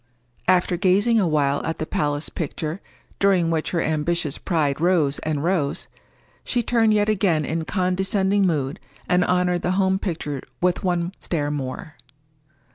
After gazing a while at the palace picture, during which her ambitious pride rose and rose, she turned yet again in condescending mood, and honored the home picture with one stare more.